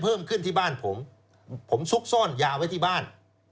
เพิ่มขึ้นที่บ้านผมผมซุกซ่อนยาไว้ที่บ้าน